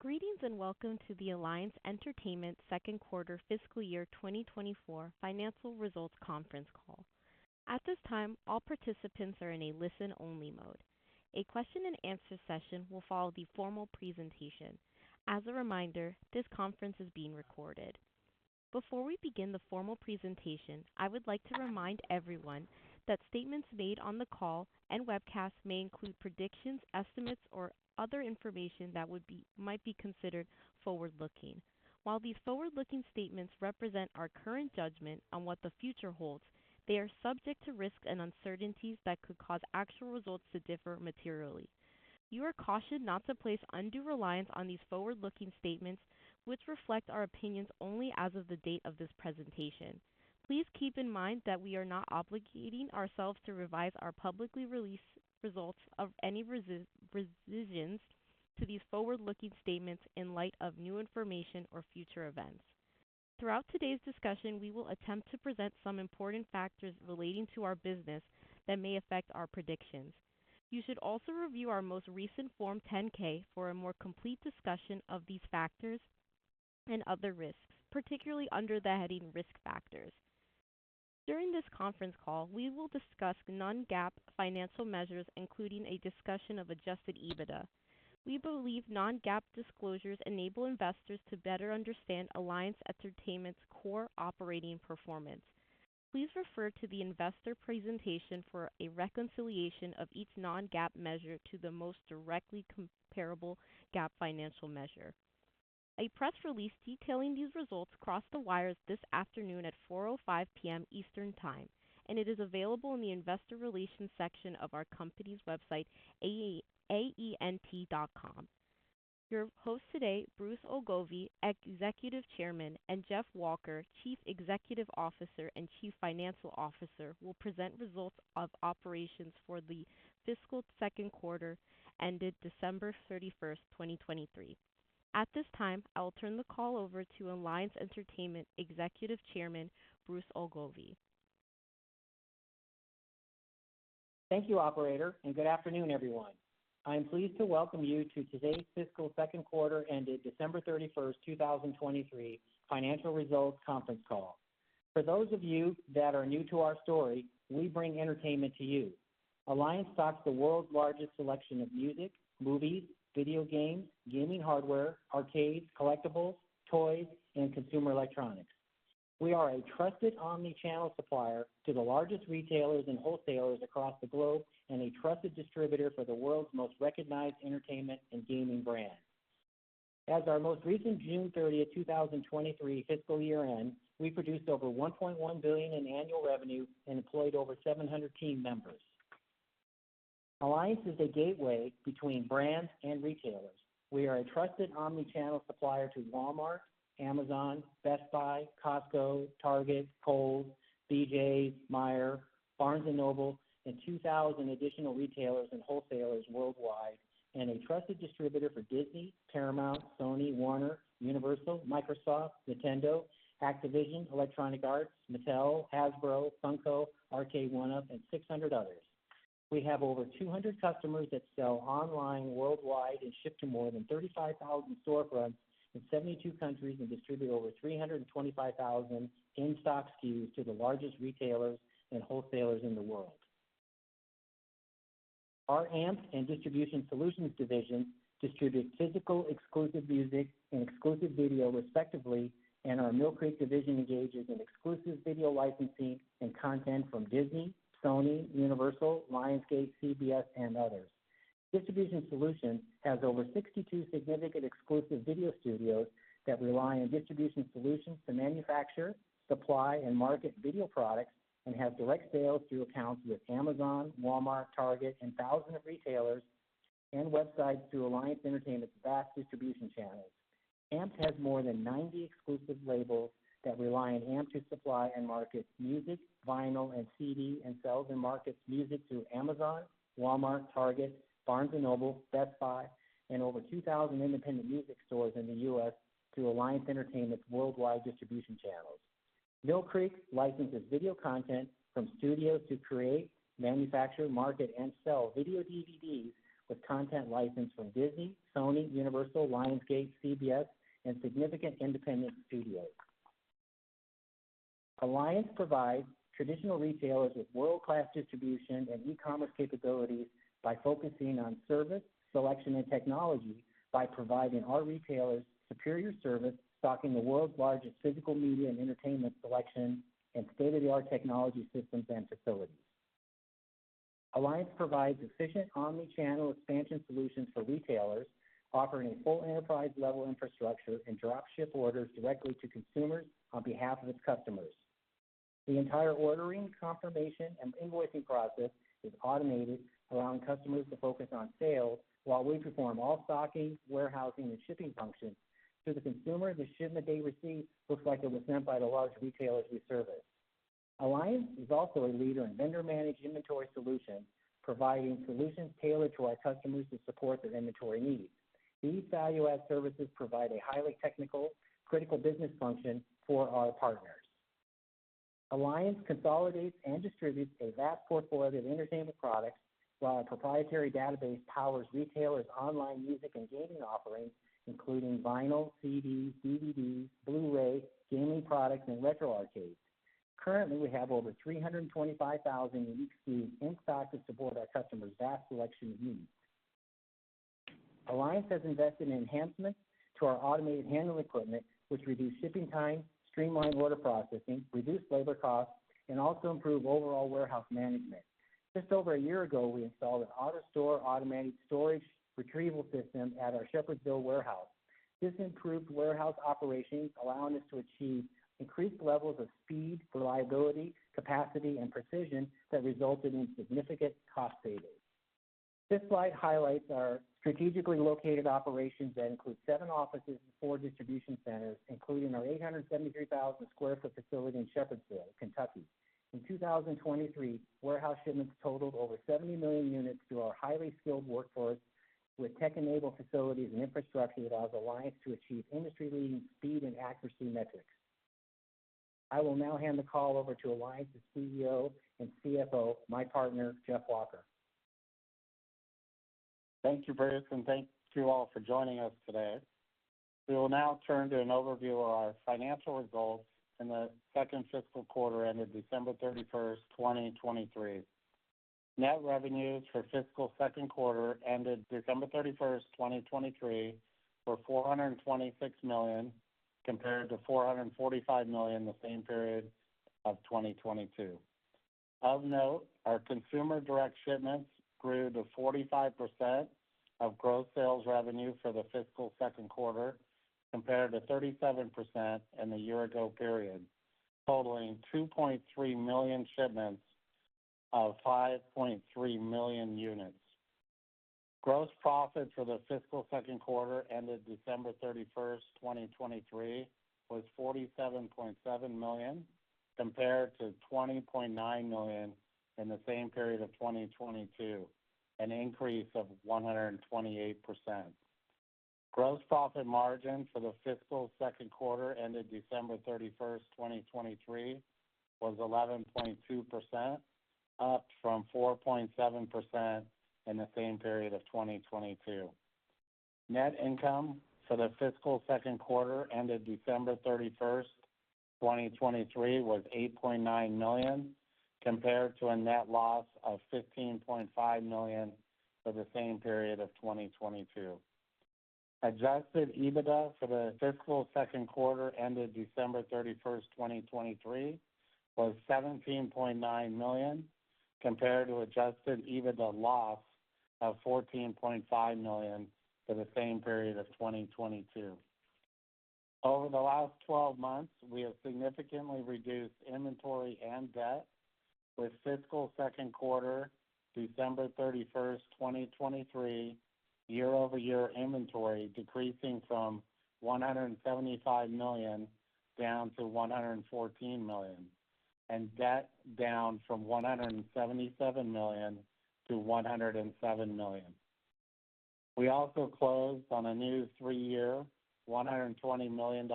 Greetings and welcome to the Alliance Entertainment Second Quarter Fiscal Year 2024 Financial Results Conference Call. At this time, all participants are in a listen-only mode. A question-and-answer session will follow the formal presentation. As a reminder, this conference is being recorded. Before we begin the formal presentation, I would like to remind everyone that statements made on the call and webcast may include predictions, estimates, or other information that might be considered forward-looking. While these forward-looking statements represent our current judgment on what the future holds, they are subject to risk and uncertainties that could cause actual results to differ materially. You are cautioned not to place undue reliance on these forward-looking statements, which reflect our opinions only as of the date of this presentation. Please keep in mind that we are not obligating ourselves to revise our publicly released results or any revisions to these forward-looking statements in light of new information or future events. Throughout today's discussion, we will attempt to present some important factors relating to our business that may affect our predictions. You should also review our most recent Form 10-K for a more complete discussion of these factors and other risks, particularly under the heading Risk Factors. During this conference call, we will discuss non-GAAP financial measures, including a discussion of adjusted EBITDA. We believe non-GAAP disclosures enable investors to better understand Alliance Entertainment's core operating performance. Please refer to the investor presentation for a reconciliation of each non-GAAP measure to the most directly comparable GAAP financial measure. A press release detailing these results crossed the wires this afternoon at 4:05 P.M. Eastern Time, and it is available in the investor relations section of our company's website, aent.com. Your host today, Bruce Ogilvie, Executive Chairman, and Jeff Walker, Chief Executive Officer and Chief Financial Officer, will present results of operations for the fiscal second quarter ended December 31st, 2023. At this time, I will turn the call over to Alliance Entertainment Executive Chairman Bruce Ogilvie. Thank you, Operator, and good afternoon, everyone. I am pleased to welcome you to today's fiscal second quarter ended December 31st, 2023 Financial Results Conference Call. For those of you that are new to our story, we bring entertainment to you. Alliance stocks the world's largest selection of music, movies, video games, gaming hardware, arcades, collectibles, toys, and consumer electronics. We are a trusted omnichannel supplier to the largest retailers and wholesalers across the globe and a trusted distributor for the world's most recognized entertainment and gaming brand. As our most recent June 30, 2023 fiscal year ends, we produced over $1.1 billion in annual revenue and employed over 700 team members. Alliance is a gateway between brands and retailers. We are a trusted omnichannel supplier to Walmart, Amazon, Best Buy, Costco, Target, Kohl's, BJ's, Meijer, Barnes & Noble, and 2,000 additional retailers and wholesalers worldwide, and a trusted distributor for Disney, Paramount, Sony, Warner, Universal, Microsoft, Nintendo, Activision, Electronic Arts, Mattel, Hasbro, Funko, Arcade1Up, and 600 others. We have over 200 customers that sell online worldwide and ship to more than 35,000 storefronts in 72 countries and distribute over 325,000 in-stock SKUs to the largest retailers and wholesalers in the world. Our AMPED and Distribution Solutions divisions distribute physical exclusive music and exclusive video, respectively, and our Mill Creek division engages in exclusive video licensing and content from Disney, Sony, Universal, Lionsgate, CBS, and others. Distribution Solutions has over 62 significant exclusive video studios that rely on Distribution Solutions to manufacture, supply, and market video products and has direct sales through accounts with Amazon, Walmart, Target, and thousands of retailers, and websites through Alliance Entertainment's vast distribution channels. AMPED has more than 90 exclusive labels that rely on AMPED to supply and market music, vinyl, and CD, and sells and markets music through Amazon, Walmart, Target, Barnes & Noble, Best Buy, and over 2,000 independent music stores in the U.S. through Alliance Entertainment's worldwide distribution channels. Mill Creek licenses video content from studios to create, manufacture, market, and sell video DVDs with content license from Disney, Sony, Universal, Lionsgate, CBS, and significant independent studios. Alliance provides traditional retailers with world-class distribution and e-commerce capabilities by focusing on service, selection, and technology by providing our retailers superior service, stocking the world's largest physical media and entertainment selection, and state-of-the-art technology systems and facilities. Alliance provides efficient omnichannel expansion solutions for retailers, offering a full enterprise-level infrastructure and dropship orders directly to consumers on behalf of its customers. The entire ordering, confirmation, and invoicing process is automated, allowing customers to focus on sales while we perform all stocking, warehousing, and shipping functions. To the consumer, the shipment they receive looks like it was sent by the large retailers we service. Alliance is also a leader in vendor-managed inventory solutions, providing solutions tailored to our customers to support their inventory needs. These value-add services provide a highly technical, critical business function for our partners. Alliance consolidates and distributes a vast portfolio of entertainment products, while a proprietary database powers retailers' online music and gaming offerings, including vinyl, CDs, DVDs, Blu-ray, gaming products, and retro arcades. Currently, we have over 325,000 unique SKUs in stock to support our customers' vast selection of needs. Alliance has invested in enhancements to our automated handling equipment, which reduce shipping time, streamline order processing, reduce labor costs, and also improve overall warehouse management. Just over a year ago, we installed an AutoStore automated storage retrieval system at our Shepherdsville warehouse. This improved warehouse operations, allowing us to achieve increased levels of speed, reliability, capacity, and precision that resulted in significant cost savings. This slide highlights our strategically located operations that include seven offices and four distribution centers, including our 873,000 sq ft facility in Shepherdsville, Kentucky. In 2023, warehouse shipments totaled over 70 million units through our highly skilled workforce, with tech-enabled facilities and infrastructure that allows Alliance to achieve industry-leading speed and accuracy metrics. I will now hand the call over to Alliance's CEO and CFO, my partner, Jeff Walker. Thank you, Bruce, and thank you all for joining us today. We will now turn to an overview of our financial results in the second fiscal quarter ended December 31st, 2023. Net revenues for fiscal second quarter ended December 31st, 2023, were $426 million compared to $445 million the same period of 2022. Of note, our consumer direct shipments grew to 45% of gross sales revenue for the fiscal second quarter compared to 37% in the year-ago period, totaling 2.3 million shipments of 5.3 million units. Gross profit for the fiscal second quarter ended December 31st, 2023, was $47.7 million compared to $20.9 million in the same period of 2022, an increase of 128%. Gross profit margin for the fiscal second quarter ended December 31st, 2023, was 11.2%, up from 4.7% in the same period of 2022. Net income for the fiscal second quarter ended December 31st, 2023, was $8.9 million compared to a net loss of $15.5 million for the same period of 2022. Adjusted EBITDA for the fiscal second quarter ended December 31st, 2023, was $17.9 million compared to Adjusted EBITDA loss of $14.5 million for the same period of 2022. Over the last 12 months, we have significantly reduced inventory and debt, with fiscal second quarter December 31st, 2023, year-over-year inventory decreasing from $175 million down to $114 million, and debt down from $177 million to $107 million. We also closed on a new three-year $120 million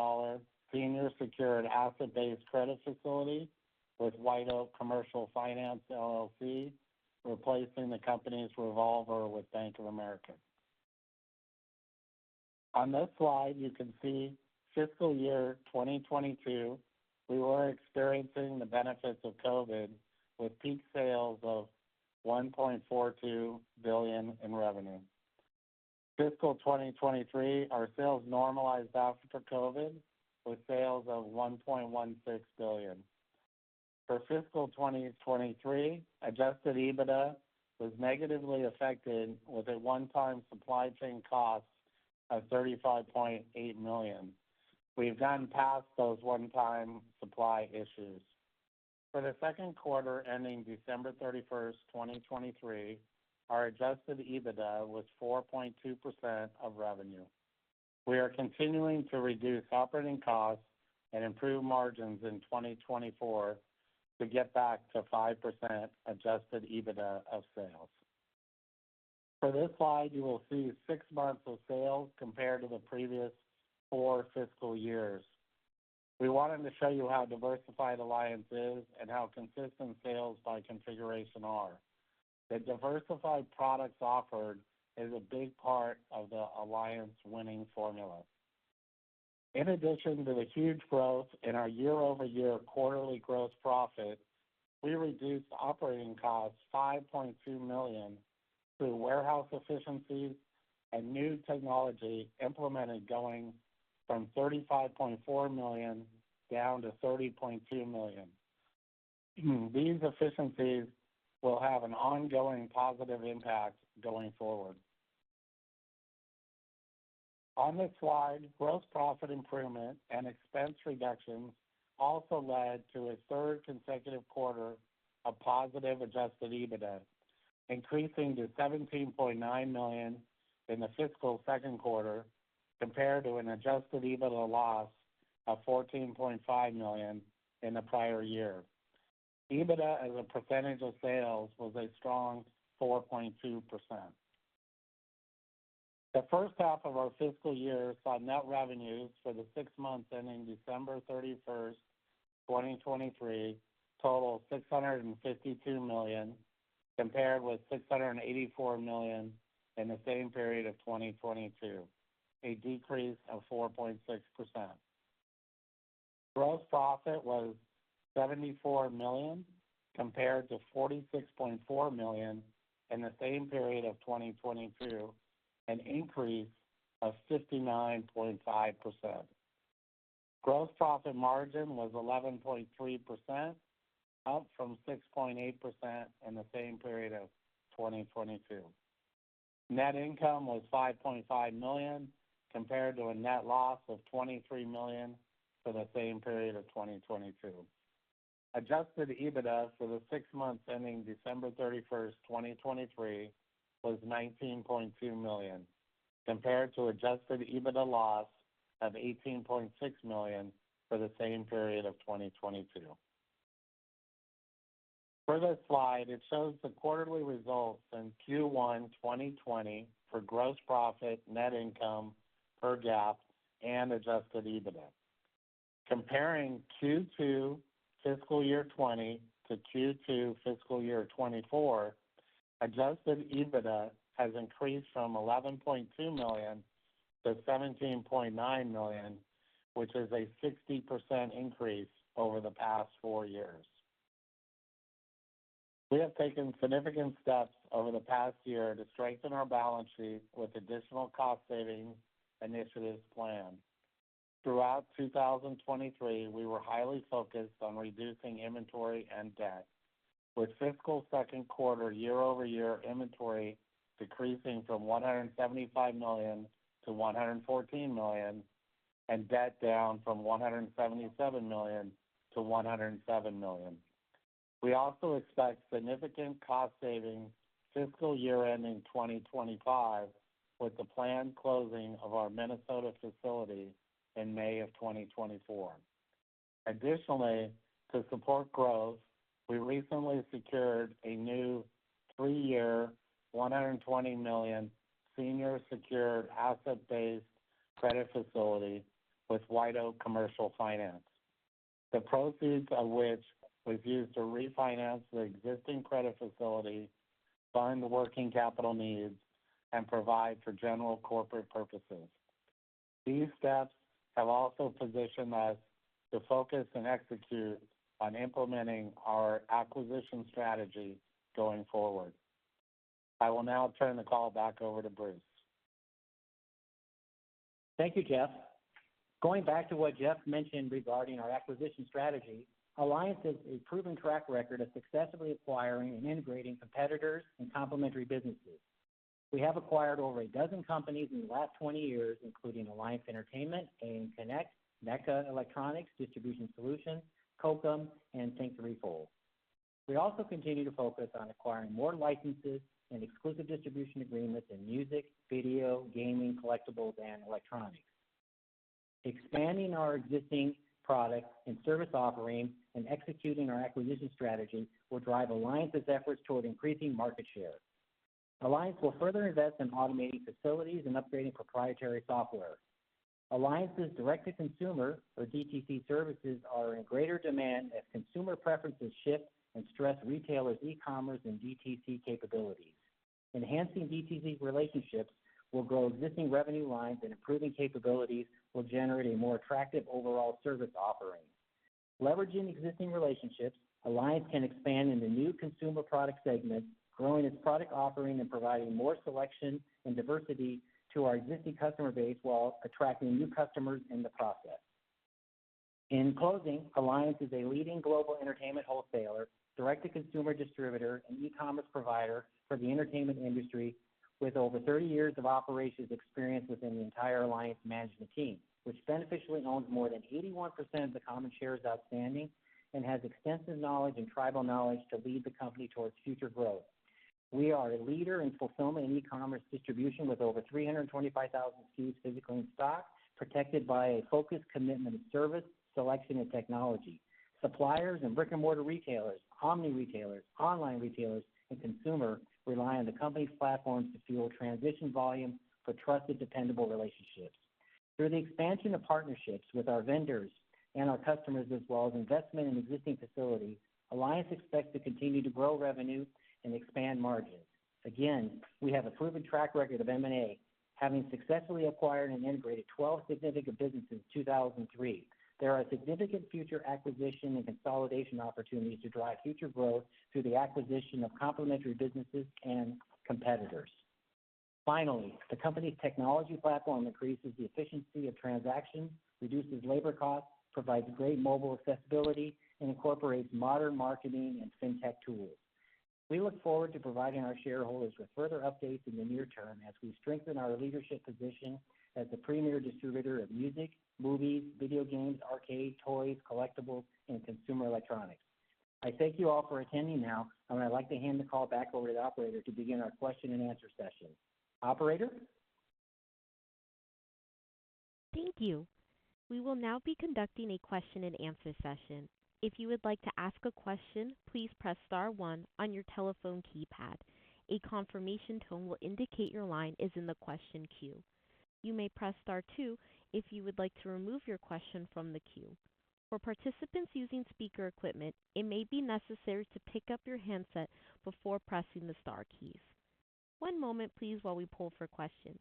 senior secured asset-based credit facility with White Oak Commercial Finance, LLC, replacing the company's revolver with Bank of America. On this slide, you can see, fiscal year 2022, we were experiencing the benefits of COVID with peak sales of $1.42 billion in revenue. Fiscal 2023, our sales normalized after COVID with sales of $1.16 billion. For Fiscal 2023, Adjusted EBITDA was negatively affected with a one-time supply chain cost of $35.8 million. We've gotten past those one-time supply issues. For the second quarter ending December 31st, 2023, our Adjusted EBITDA was 4.2% of revenue. We are continuing to reduce operating costs and improve margins in 2024 to get back to 5% Adjusted EBITDA of sales. For this slide, you will see six months of sales compared to the previous four fiscal years. We wanted to show you how diversified Alliance is and how consistent sales by configuration are. The diversified products offered is a big part of the Alliance winning formula. In addition to the huge growth in our year-over-year quarterly gross profit, we reduced operating costs $5.2 million through warehouse efficiencies and new technology implemented, going from $35.4 million down to $30.2 million. These efficiencies will have an ongoing positive impact going forward. On this slide, gross profit improvement and expense reductions also led to a third consecutive quarter of positive adjusted EBITDA, increasing to $17.9 million in the fiscal second quarter compared to an adjusted EBITDA loss of $14.5 million in the prior year. EBITDA as a percentage of sales was a strong 4.2%. The first half of our fiscal year saw net revenues for the six months ending December 31st, 2023, total $652 million compared with $684 million in the same period of 2022, a decrease of 4.6%. Gross profit was $74 million compared to $46.4 million in the same period of 2022, an increase of 59.5%. Gross profit margin was 11.3%, up from 6.8% in the same period of 2022. Net income was $5.5 million compared to a net loss of $23 million for the same period of 2022. Adjusted EBITDA for the six months ending December 31st, 2023, was $19.2 million compared to adjusted EBITDA loss of $18.6 million for the same period of 2022. For this slide, it shows the quarterly results in Q1 2020 for gross profit, net income per GAAP, and adjusted EBITDA. Comparing Q2 fiscal year 2020 to Q2 fiscal year 2024, adjusted EBITDA has increased from $11.2 million to $17.9 million, which is a 60% increase over the past four years. We have taken significant steps over the past year to strengthen our balance sheet with additional cost-saving initiatives planned. Throughout 2023, we were highly focused on reducing inventory and debt, with fiscal second quarter year-over-year inventory decreasing from $175 million to $114 million and debt down from $177 million to $107 million. We also expect significant cost savings fiscal year ending 2025 with the planned closing of our Minnesota facility in May of 2024. Additionally, to support growth, we recently secured a new three-year $120 million senior secured asset-based credit facility with White Oak Commercial Finance, the proceeds of which were used to refinance the existing credit facility, fund working capital needs, and provide for general corporate purposes. These steps have also positioned us to focus and execute on implementing our acquisition strategy going forward. I will now turn the call back over to Bruce. Thank you, Jeff. Going back to what Jeff mentioned regarding our acquisition strategy, Alliance has a proven track record of successfully acquiring and integrating competitors and complementary businesses. We have acquired over a dozen companies in the last 20 years, including Alliance Entertainment, ANconnect, Mecca Electronics, Distribution Solutions, COKeM, and Think3Fold. We also continue to focus on acquiring more licenses and exclusive distribution agreements in music, video, gaming, collectibles, and electronics. Expanding our existing products and service offerings and executing our acquisition strategy will drive Alliance's efforts toward increasing market share. Alliance will further invest in automating facilities and upgrading proprietary software. Alliance's direct-to-consumer, or DTC, services are in greater demand as consumer preferences shift and stress retailers' e-commerce and DTC capabilities. Enhancing DTC relationships will grow existing revenue lines, and improving capabilities will generate a more attractive overall service offering. Leveraging existing relationships, Alliance can expand into new consumer product segments, growing its product offering and providing more selection and diversity to our existing customer base while attracting new customers in the process. In closing, Alliance is a leading global entertainment wholesaler, direct-to-consumer distributor, and e-commerce provider for the entertainment industry, with over 30 years of operations experience within the entire Alliance management team, which beneficially owns more than 81% of the common shares outstanding and has extensive knowledge and tribal knowledge to lead the company towards future growth. We are a leader in fulfillment and e-commerce distribution, with over 325,000 SKUs physically in stock, protected by a focused commitment of service, selection, and technology. Suppliers and brick-and-mortar retailers, omni-retailers, online retailers, and consumers rely on the company's platforms to fuel transition volume for trusted, dependable relationships. Through the expansion of partnerships with our vendors and our customers, as well as investment in existing facilities, Alliance expects to continue to grow revenue and expand margins. Again, we have a proven track record of M&A, having successfully acquired and integrated 12 significant businesses in 2003. There are significant future acquisition and consolidation opportunities to drive future growth through the acquisition of complementary businesses and competitors. Finally, the company's technology platform increases the efficiency of transactions, reduces labor costs, provides great mobile accessibility, and incorporates modern marketing and fintech tools. We look forward to providing our shareholders with further updates in the near term as we strengthen our leadership position as the premier distributor of music, movies, video games, arcade toys, collectibles, and consumer electronics. I thank you all for attending now, and I'd like to hand the call back over to the operator to begin our question-and-answer session. Operator? Thank you. We will now be conducting a question-and-answer session. If you would like to ask a question, please press star one on your telephone keypad. A confirmation tone will indicate your line is in the question queue. You may press star two if you would like to remove your question from the queue. For participants using speaker equipment, it may be necessary to pick up your handset before pressing the star keys. One moment, please, while we pull for questions.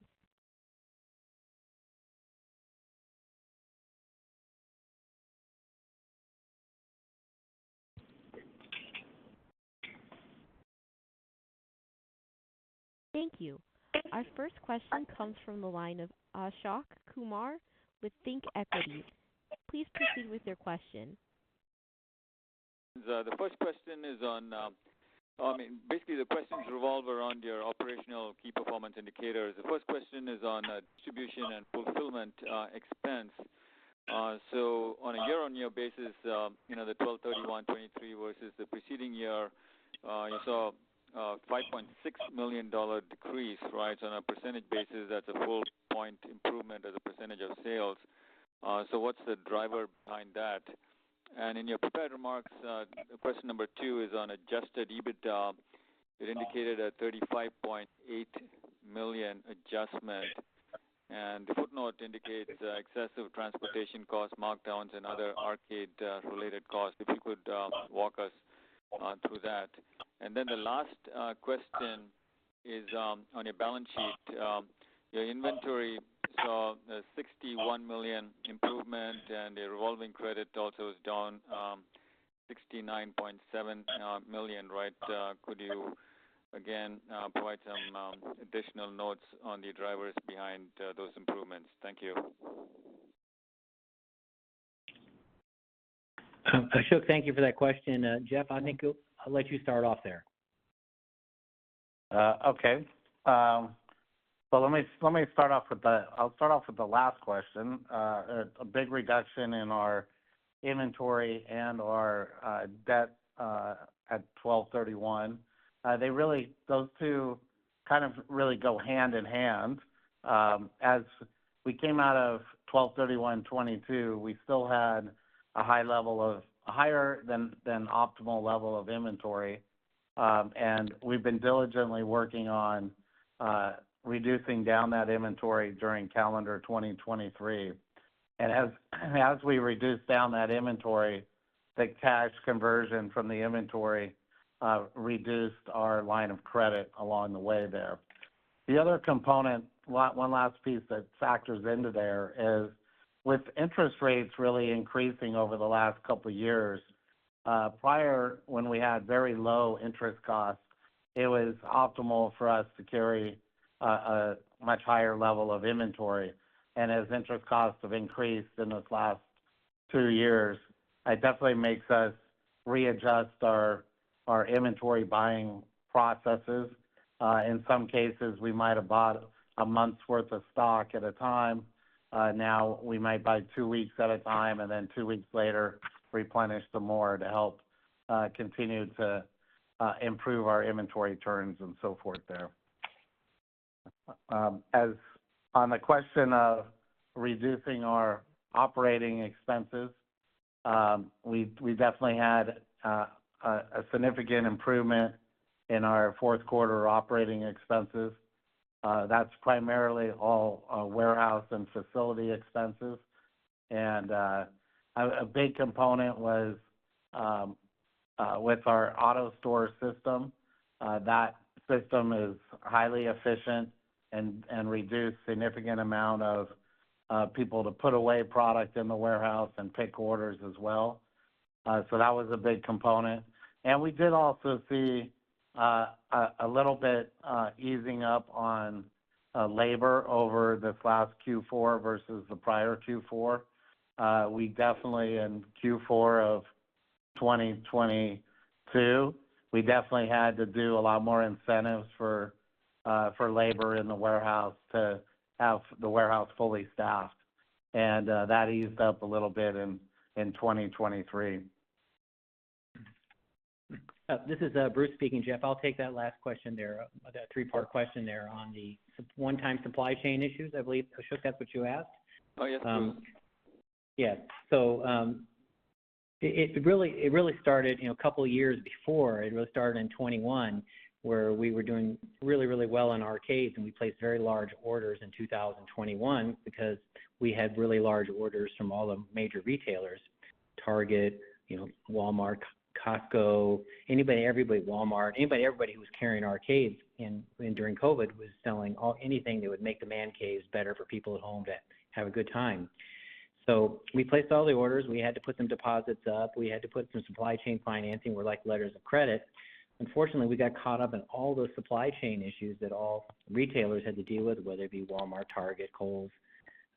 Thank you. Our first question comes from the line of Ashok Kumar with ThinkEquity. Please proceed with your question. The first question is on, I mean, basically, the questions revolve around your operational key performance indicators. The first question is on distribution and fulfillment expense. So, on a year-on-year basis, the 12/31/2023 versus the preceding year, you saw a $5.6 million decrease, right? So, on a percentage basis, that's a full-point improvement as a percentage of sales. So, what's the driver behind that? And in your prepared remarks, question number 2 is on Adjusted EBITDA. It indicated a $35.8 million adjustment. And the footnote indicates excessive transportation costs, markdowns, and other arcade-related costs. If you could walk us through that. And then the last question is on your balance sheet. Your inventory saw a $61 million improvement, and your revolving credit also was down $69.7 million, right? Could you, again, provide some additional notes on the drivers behind those improvements? Thank you. Ashok, thank you for that question. Jeff, I think I'll let you start off there. Okay. Well, let me start off with the, I'll start off with the last question. A big reduction in our inventory and our debt at 12/31. Those two kind of really go hand in hand. As we came out of 12/31/2022, we still had a high level of, a higher than optimal level of inventory. And we've been diligently working on reducing down that inventory during calendar 2023. And as we reduced down that inventory, the cash conversion from the inventory reduced our line of credit along the way there. The other component, one last piece that factors into there, is, with interest rates really increasing over the last couple of years, prior when we had very low interest costs, it was optimal for us to carry a much higher level of inventory. And as interest costs have increased in this last 2 years, it definitely makes us readjust our inventory buying processes. In some cases, we might have bought a month's worth of stock at a time. Now, we might buy two weeks at a time, and then two weeks later, replenish some more to help continue to improve our inventory turns and so forth there. On the question of reducing our operating expenses, we definitely had a significant improvement in our fourth quarter operating expenses. That's primarily all warehouse and facility expenses. A big component was with our AutoStore system. That system is highly efficient and reduced a significant amount of people to put away product in the warehouse and pick orders as well. That was a big component. We did also see a little bit easing up on labor over this last Q4 versus the prior Q4. In Q4 of 2022, we definitely had to do a lot more incentives for labor in the warehouse to have the warehouse fully staffed. That eased up a little bit in 2023. This is Bruce speaking, Jeff. I'll take that last question there, that three-part question there on the one-time supply chain issues, I believe. Ashok, that's what you asked? Oh, yes, Bruce. Yeah. So it really started a couple of years before. It really started in 2021, where we were doing really, really well in arcades, and we placed very large orders in 2021 because we had really large orders from all the major retailers. Target, Walmart, Costco, everybody, Walmart, anybody, everybody who was carrying arcades during COVID was selling anything that would make the man caves better for people at home to have a good time. So we placed all the orders. We had to put some deposits up. We had to put some supply chain financing. We're like letters of credit. Unfortunately, we got caught up in all those supply chain issues that all retailers had to deal with, whether it be Walmart, Target, Kohl's,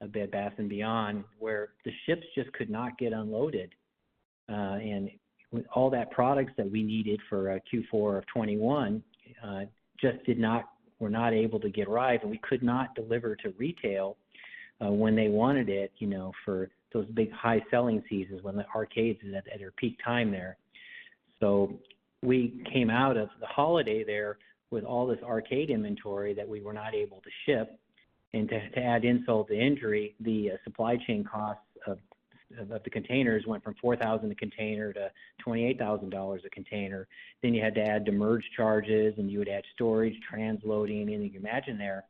Bed Bath & Beyond, where the ships just could not get unloaded. All that products that we needed for Q4 of 2021 just were not able to get arrived, and we could not deliver to retail when they wanted it for those big high-selling seasons when the arcades are at their peak time there. So we came out of the holiday there with all this arcade inventory that we were not able to ship. And to add insult to injury, the supply chain costs of the containers went from $4,000 a container to $28,000 a container. Then you had to add the demurrage charges, and you would add storage, transloading, anything you imagine there.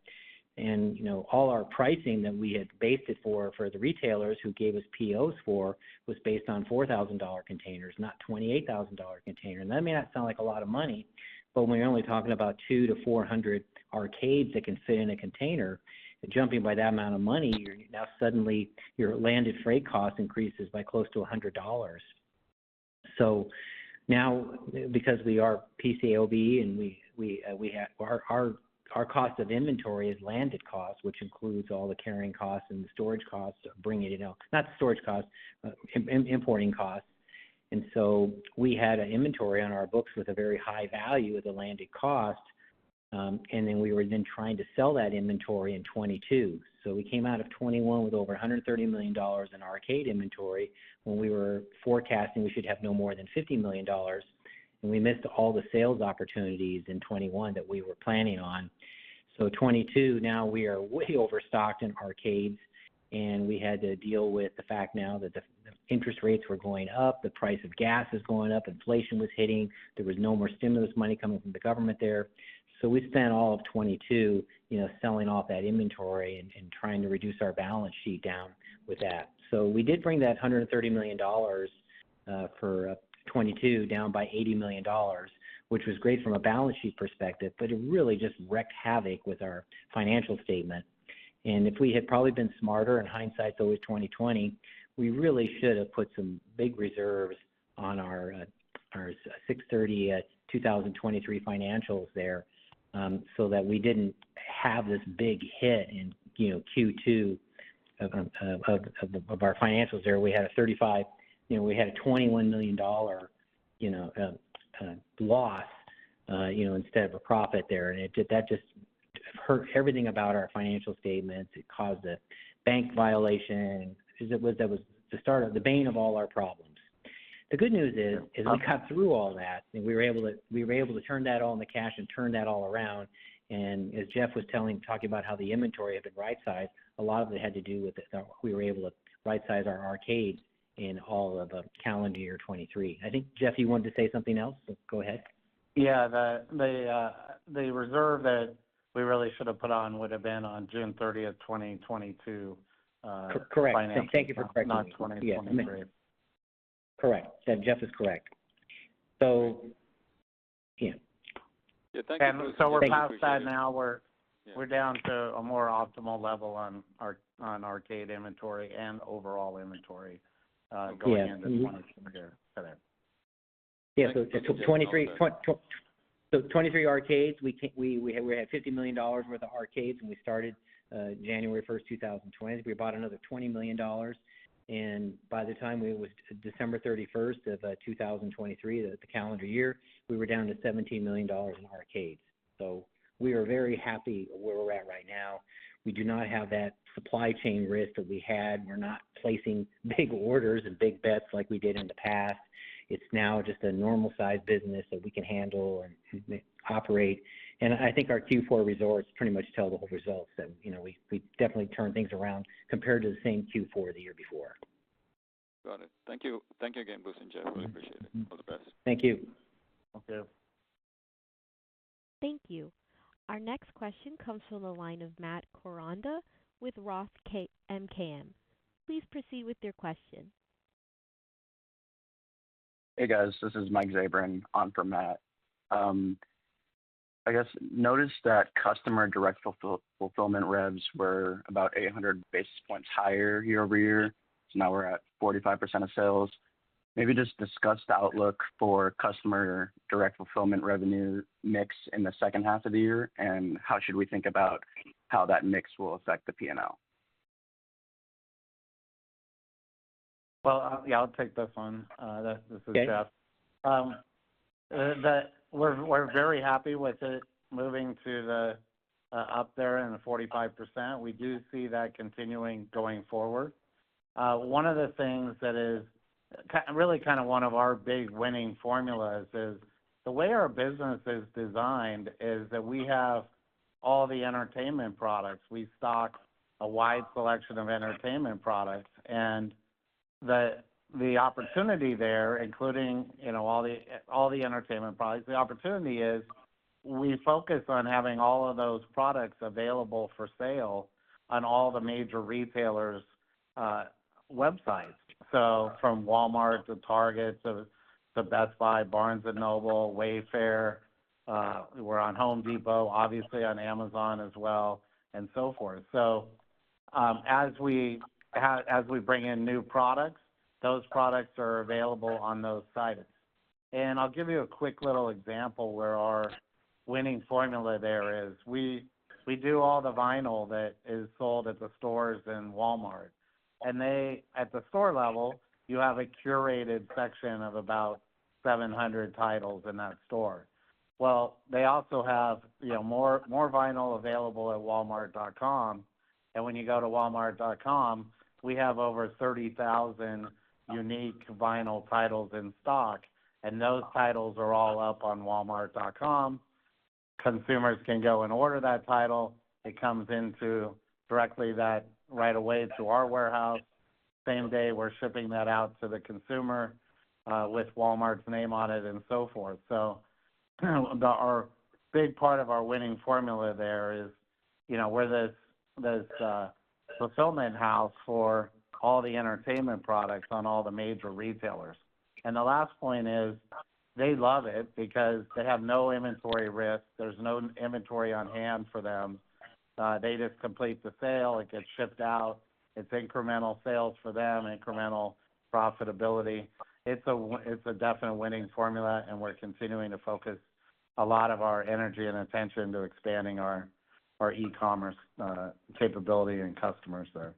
And all our pricing that we had based it for, for the retailers who gave us POs for, was based on $4,000 containers, not $28,000 containers. That may not sound like a lot of money, but when you're only talking about 200-400 arcades that can fit in a container, jumping by that amount of money, now suddenly your landed freight cost increases by close to $100. So now, because we are PCAOB and our cost of inventory is landed costs, which includes all the carrying costs and the storage costs of bringing it in not storage costs, importing costs, and so we had an inventory on our books with a very high value of the landed cost. Then we were then trying to sell that inventory in 2022. We came out of 2021 with over $130 million in arcade inventory. When we were forecasting, we should have no more than $50 million. We missed all the sales opportunities in 2021 that we were planning on. So 2022, now we are way overstocked in arcades. We had to deal with the fact now that the interest rates were going up, the price of gas is going up, inflation was hitting. There was no more stimulus money coming from the government there. So we spent all of 2022 selling off that inventory and trying to reduce our balance sheet down with that. So we did bring that $130 million for 2022 down by $80 million, which was great from a balance sheet perspective, but it really just wreaked havoc with our financial statement. If we had probably been smarter in hindsight though with 2020, we really should have put some big reserves on our 6/30/2023 financials there so that we didn't have this big hit in Q2 of our financials there. We had a $35 million. We had a $21 million loss instead of a profit there. And that just hurt everything about our financial statements. It caused a bank violation. That was the start of the bane of all our problems. The good news is we got through all that, and we were able to. We were able to turn that all into cash and turn that all around. And as Jeff was talking about how the inventory had been right-sized, a lot of it had to do with that we were able to right-size our arcades in all of calendar year 2023. I think, Jeff, you wanted to say something else? Go ahead. Yeah. The reserve that we really should have put on would have been on June 30th, 2022 finances. Correct. Thank you for correcting me. Not 2023. Correct. Jeff is correct. So. Yeah. Thank you, Bruce. So we're past that now. We're down to a more optimal level on arcade inventory and overall inventory going into 2022 there. Yeah. So in 2023 arcades, we had $50 million worth of arcades, and we started January 1st, 2020. We bought another $20 million. And by the time it was December 31st of 2023, the calendar year, we were down to $17 million in arcades. So we are very happy where we're at right now. We do not have that supply chain risk that we had. We're not placing big orders and big bets like we did in the past. It's now just a normal-sized business that we can handle and operate. And I think our Q4 results pretty much tell the whole results. We definitely turned things around compared to the same Q4 the year before. Got it. Thank you again, Bruce and Jeff. Really appreciate it. All the best. Thank you. Thank you. Thank you. Our next question comes from the line of Matt Koranda with Roth MKM. Please proceed with your question. Hey, guys. This is Mike Zabran on for Matt. I guess noticed that customer direct fulfillment revs were about 800 basis points higher year-over-year. So now we're at 45% of sales. Maybe just discuss the outlook for customer direct fulfillment revenue mix in the second half of the year and how should we think about how that mix will affect the P&L? Well, yeah, I'll take this one. This is Jeff. We're very happy with it moving up there in the 45%. We do see that continuing going forward. One of the things that is really kind of one of our big winning formulas is the way our business is designed is that we have all the entertainment products. We stock a wide selection of entertainment products. And the opportunity there, including all the entertainment products, the opportunity is we focus on having all of those products available for sale on all the major retailers' websites. So from Walmart to Target to Best Buy, Barnes & Noble, Wayfair. We're on Home Depot, obviously on Amazon as well, and so forth. So as we bring in new products, those products are available on those sites. And I'll give you a quick little example where our winning formula there is. We do all the vinyl that is sold at the stores in Walmart. At the store level, you have a curated section of about 700 titles in that store. Well, they also have more vinyl available at Walmart.com. When you go to Walmart.com, we have over 30,000 unique vinyl titles in stock. Those titles are all up on Walmart.com. Consumers can go and order that title. It comes directly right away to our warehouse. Same day, we're shipping that out to the consumer with Walmart's name on it and so forth. A big part of our winning formula there is we're this fulfillment house for all the entertainment products on all the major retailers. The last point is they love it because they have no inventory risk. There's no inventory on hand for them. They just complete the sale. It gets shipped out. It's incremental sales for them, incremental profitability. It's a definite winning formula, and we're continuing to focus a lot of our energy and attention to expanding our e-commerce capability and customers there.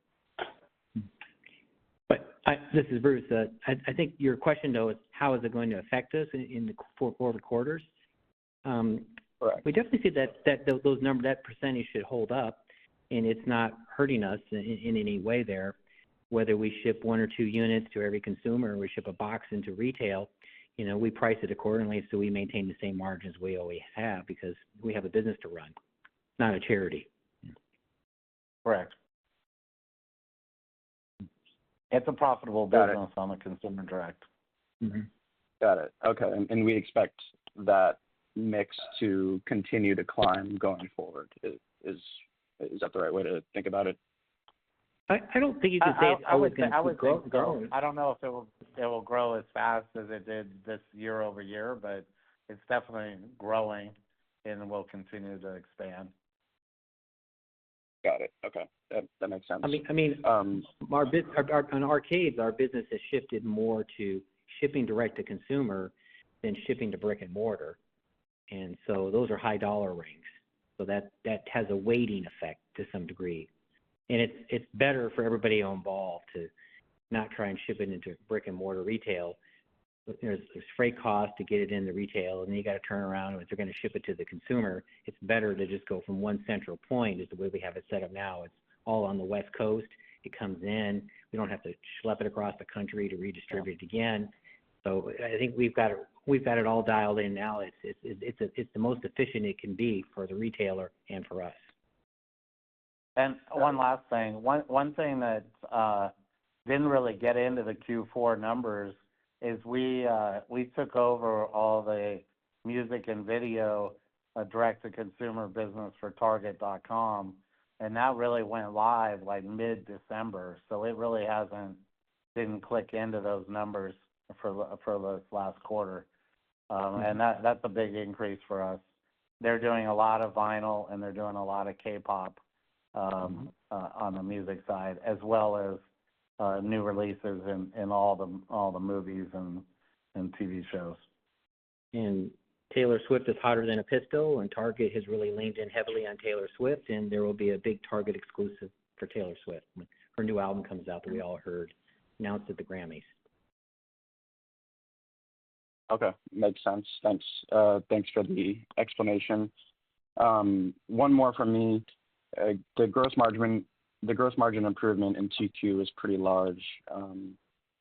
This is Bruce. I think your question, though, is how is it going to affect us in the fourth quarters? We definitely see that percentage should hold up, and it's not hurting us in any way there. Whether we ship one or two units to every consumer or we ship a box into retail, we price it accordingly so we maintain the same margins we always have because we have a business to run. It's not a charity. Correct. It's a profitable business on the consumer direct. Got it. Okay. We expect that mix to continue to climb going forward. Is that the right way to think about it? I don't think you could say it always keeps growing. I don't know if it will grow as fast as it did this year-over-year, but it's definitely growing and will continue to expand. Got it. Okay. That makes sense. I mean, on arcades, our business has shifted more to shipping direct to consumer than shipping to brick and mortar. And so those are high-dollar ranks. So that has a weighting effect to some degree. And it's better for everybody involved to not try and ship it into brick and mortar retail. There's freight costs to get it into retail, and then you got to turn around. And if they're going to ship it to the consumer, it's better to just go from one central point, is the way we have it set up now. It's all on the West Coast. It comes in. We don't have to schlep it across the country to redistribute it again. So I think we've got it all dialed in now. It's the most efficient it can be for the retailer and for us. One last thing. One thing that didn't really get into the Q4 numbers is we took over all the music and video direct-to-consumer business for Target.com, and that really went live mid-December. It really didn't click into those numbers for this last quarter. That's a big increase for us. They're doing a lot of vinyl, and they're doing a lot of K-pop on the music side as well as new releases in all the movies and TV shows. Taylor Swift is hotter than a pistol, and Target has really leaned in heavily on Taylor Swift. And there will be a big Target exclusive for Taylor Swift when her new album comes out that we all heard announced at the Grammys. Okay. Makes sense. Thanks for the explanation. One more from me. The gross margin improvement in TQ is pretty large. I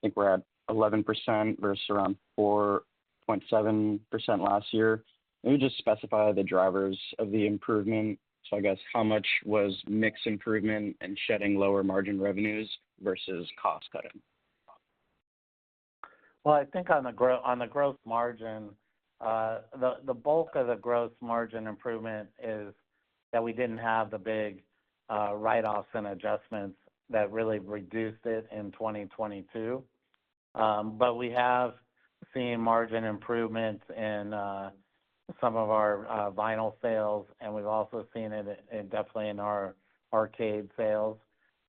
think we're at 11% versus around 4.7% last year. Maybe just specify the drivers of the improvement. So I guess how much was mix improvement and shedding lower margin revenues versus cost cutting? Well, I think on the gross margin, the bulk of the gross margin improvement is that we didn't have the big write-offs and adjustments that really reduced it in 2022. But we have seen margin improvements in some of our vinyl sales, and we've also seen it definitely in our arcade sales.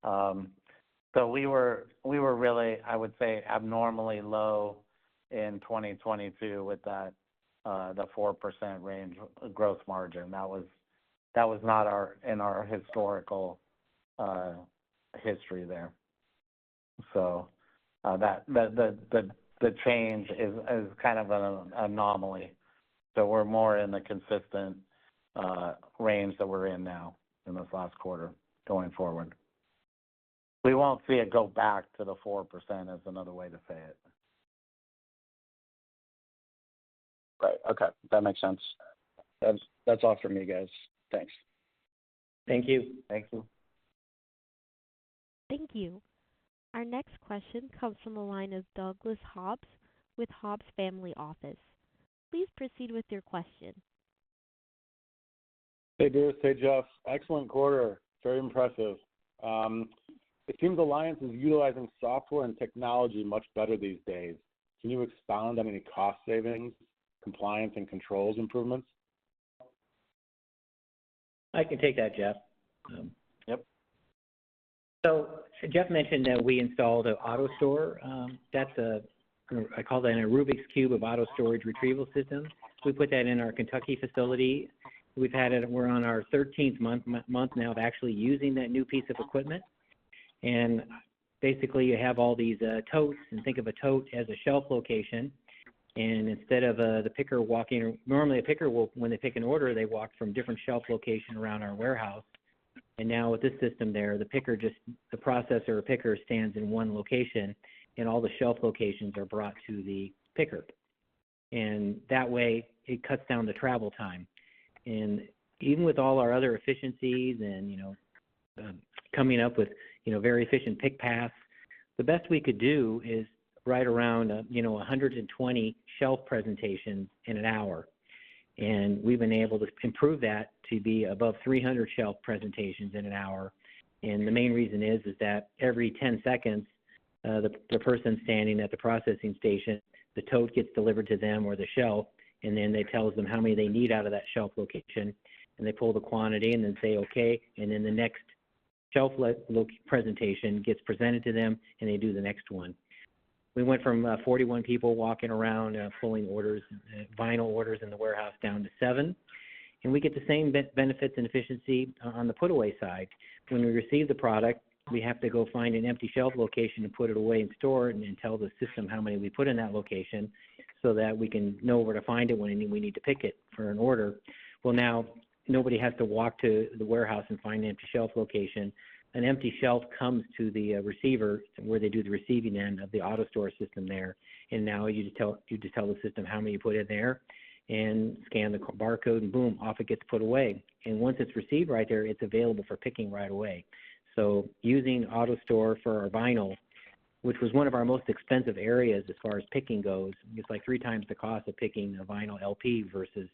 So we were really, I would say, abnormally low in 2022 with the 4% range gross margin. That was not in our historical history there. So the change is kind of an anomaly. So we're more in the consistent range that we're in now in this last quarter going forward. We won't see it go back to the 4% is another way to say it. Right. Okay. That makes sense. That's all from me, guys. Thanks. Thank you. Thank you. Thank you. Our next question comes from the line of Douglas Hobbs with Hobbs Family Office. Please proceed with your question. Hey, Bruce. Hey, Jeff. Excellent quarter. Very impressive. It seems Alliance is utilizing software and technology much better these days. Can you expound on any cost savings, compliance, and controls improvements? I can take that, Jeff. So Jeff mentioned that we installed an AutoStore. I call that a Rubik's cube of automated storage retrieval system. We put that in our Kentucky facility. We're on our 13th month now of actually using that new piece of equipment. And basically, you have all these totes, and think of a tote as a shelf location. And instead of the picker walking normally, a picker, when they pick an order, they walk from different shelf locations around our warehouse. And now with this system there, the processor of pickers stands in one location, and all the shelf locations are brought to the picker. And that way, it cuts down the travel time. And even with all our other efficiencies and coming up with very efficient pick paths, the best we could do is right around 120 shelf presentations in an hour. And we've been able to improve that to be above 300 shelf presentations in an hour. And the main reason is that every 10 seconds, the person standing at the processing station, the tote gets delivered to them or the shelf, and then they tell them how many they need out of that shelf location. And they pull the quantity and then say, "Okay." And then the next shelf presentation gets presented to them, and they do the next one. We went from 41 people walking around, pulling vinyl orders in the warehouse down to seven. And we get the same benefits and efficiency on the put-away side. When we receive the product, we have to go find an empty shelf location to put it away and store it and tell the system how many we put in that location so that we can know where to find it when we need to pick it for an order. Well, now nobody has to walk to the warehouse and find an empty shelf location. An empty shelf comes to the receiver where they do the receiving end of the AutoStore system there. And now you just tell the system how many you put in there and scan the barcode, and boom, off it gets put away. And once it's received right there, it's available for picking right away. So using AutoStore for our vinyl, which was one of our most expensive areas as far as picking goes, it's like three times the cost of picking a vinyl LP versus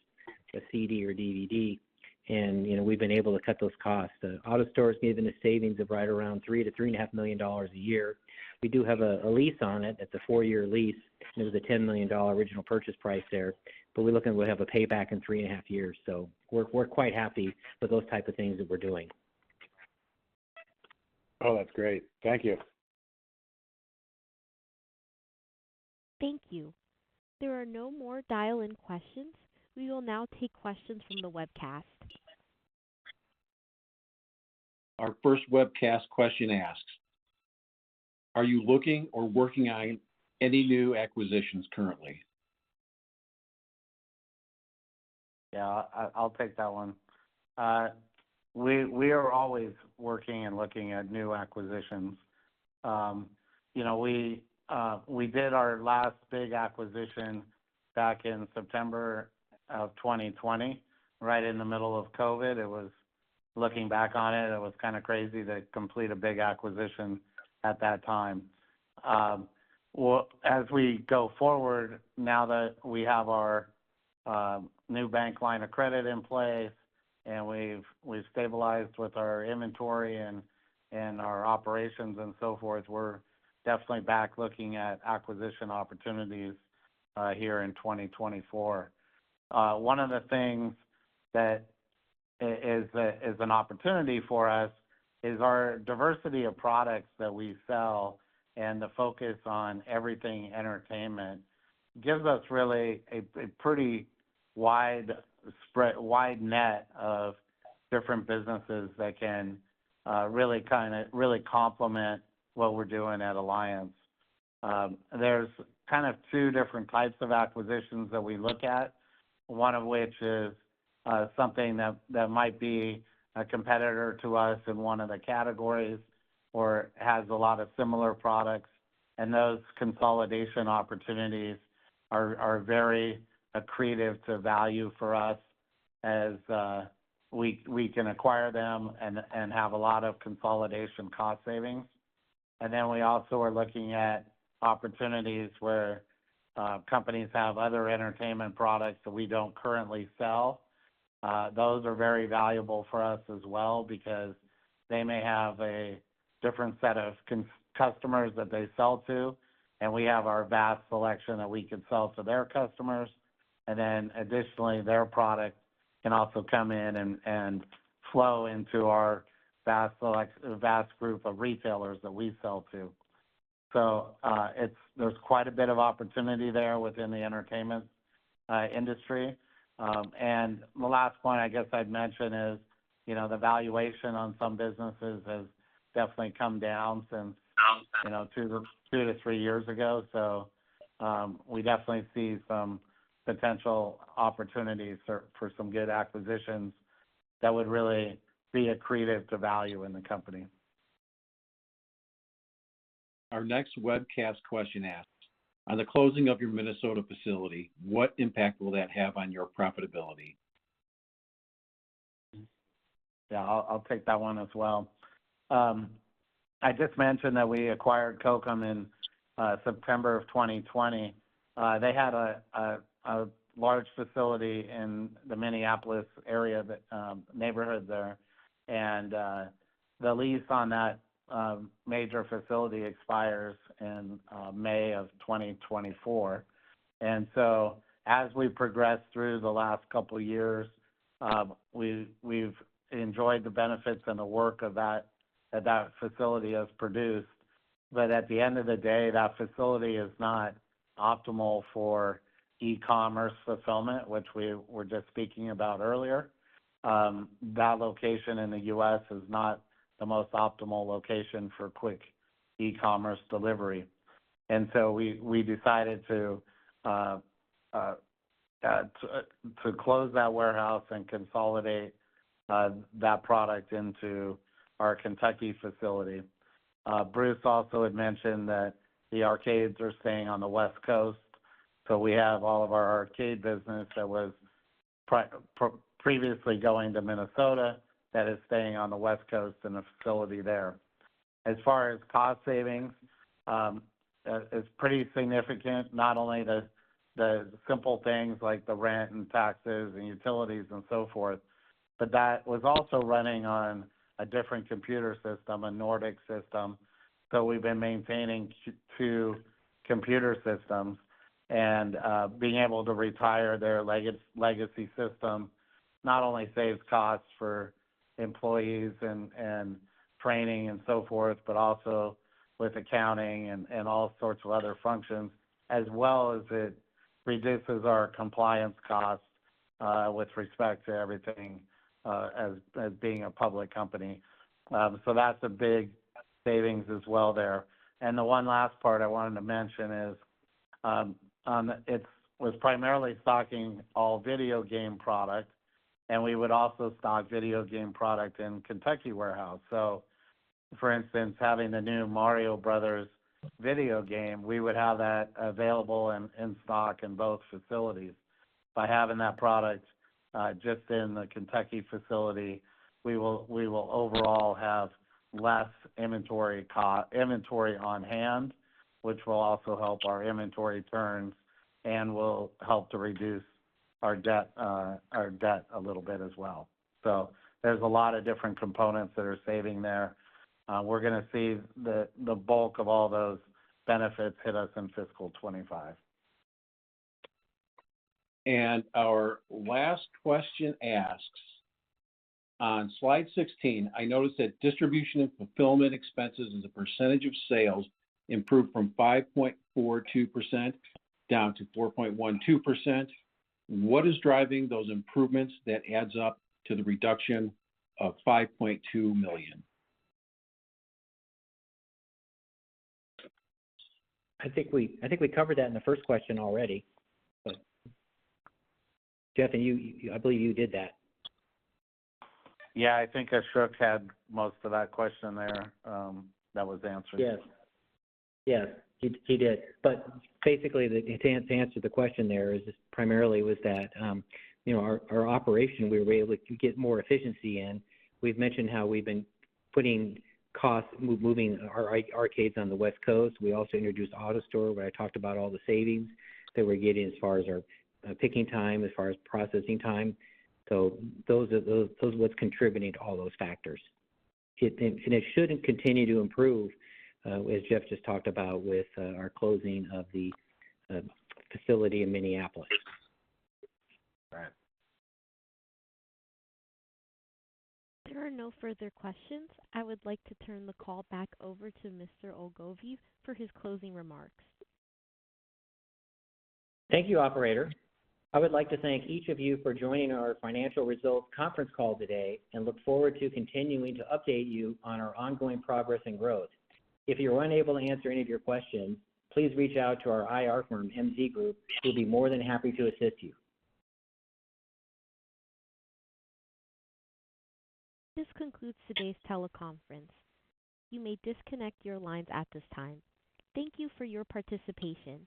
a CD or DVD. And we've been able to cut those costs. AutoStore has given us savings of right around $3 million-$3.5 million a year. We do have a lease on it. It's a 4-year lease. It was a $10 million original purchase price there. But we're looking to have a payback in 3.5 years. So we're quite happy with those types of things that we're doing. Oh, that's great. Thank you. Thank you. There are no more dial-in questions. We will now take questions from the webcast. Our first webcast question asks, Are you looking or working on any new acquisitions currently? Yeah. I'll take that one. We are always working and looking at new acquisitions. We did our last big acquisition back in September of 2020, right in the middle of COVID. Looking back on it, it was kind of crazy to complete a big acquisition at that time. As we go forward, now that we have our new bank line of credit in place and we've stabilized with our inventory and our operations and so forth, we're definitely back looking at acquisition opportunities here in 2024. One of the things that is an opportunity for us is our diversity of products that we sell and the focus on everything entertainment gives us really a pretty wide net of different businesses that can really kind of really complement what we're doing at Alliance. There's kind of two different types of acquisitions that we look at, one of which is something that might be a competitor to us in one of the categories or has a lot of similar products. Those consolidation opportunities are very accretive to value for us as we can acquire them and have a lot of consolidation cost savings. Then we also are looking at opportunities where companies have other entertainment products that we don't currently sell. Those are very valuable for us as well because they may have a different set of customers that they sell to, and we have our vast selection that we can sell to their customers. Then additionally, their product can also come in and flow into our vast group of retailers that we sell to. There's quite a bit of opportunity there within the entertainment industry. The last point I guess I'd mention is the valuation on some businesses has definitely come down since 2-3 years ago. We definitely see some potential opportunities for some good acquisitions that would really be accretive to value in the company. Our next webcast question asks, on the closing of your Minnesota facility, what impact will that have on your profitability? Yeah. I'll take that one as well. I just mentioned that we acquired COKeM in September of 2020. They had a large facility in the Minneapolis neighborhood there, and the lease on that major facility expires in May of 2024. And so as we progressed through the last couple of years, we've enjoyed the benefits and the work that that facility has produced. But at the end of the day, that facility is not optimal for e-commerce fulfillment, which we were just speaking about earlier. That location in the U.S. is not the most optimal location for quick e-commerce delivery. And so we decided to close that warehouse and consolidate that product into our Kentucky facility. Bruce also had mentioned that the arcades are staying on the West Coast. So we have all of our arcade business that was previously going to Minnesota that is staying on the West Coast and a facility there. As far as cost savings, it's pretty significant, not only the simple things like the rent and taxes and utilities and so forth, but that was also running on a different computer system, a Nordic system. So we've been maintaining two computer systems. And being able to retire their legacy system not only saves costs for employees and training and so forth, but also with accounting and all sorts of other functions, as well as it reduces our compliance costs with respect to everything as being a public company. So that's a big savings as well there. The one last part I wanted to mention is it was primarily stocking all video game product, and we would also stock video game product in Kentucky warehouse. So for instance, having the new Mario Brothers video game, we would have that available in stock in both facilities. By having that product just in the Kentucky facility, we will overall have less inventory on hand, which will also help our inventory turns and will help to reduce our debt a little bit as well. So there's a lot of different components that are saving there. We're going to see the bulk of all those benefits hit us in fiscal 2025. Our last question asks, on slide 16, I noticed that distribution and fulfillment expenses as a percentage of sales improved from 5.42% down to 4.12%. What is driving those improvements that adds up to the reduction of $5.2 million? I think we covered that in the first question already. But Jeff, I believe you did that. Yeah. I think Ashok had most of that question there that was answered. Yes. Yes. He did. But basically, to answer the question there, primarily was that our operation, we were able to get more efficiency in. We've mentioned how we've been cutting costs, moving our arcades on the West Coast. We also introduced AutoStore where I talked about all the savings that we're getting as far as our picking time, as far as processing time. So those are what's contributing to all those factors. And it shouldn't continue to improve, as Jeff just talked about, with our closing of the facility in Minneapolis. There are no further questions. I would like to turn the call back over to Mr. Ogilvie for his closing remarks. Thank you, operator. I would like to thank each of you for joining our financial results conference call today and look forward to continuing to update you on our ongoing progress and growth. If you're unable to answer any of your questions, please reach out to our IR firm, MZ Group. We'll be more than happy to assist you. This concludes today's teleconference. You may disconnect your lines at this time. Thank you for your participation.